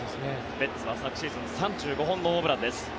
ベッツは昨シーズン３５本のホームランです。